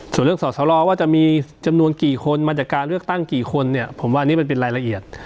ส่วนเรื่องสอสรว่าจะมีจำนวนกี่คนมาจากการเลือกตั้งกี่คนเนี่ยผมว่าอันนี้มันเป็นรายละเอียด